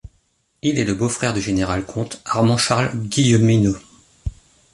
Il est le beau-frère du général comte Armand-Charles Guilleminot.